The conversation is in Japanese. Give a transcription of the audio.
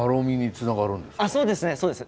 あそうですねそうです。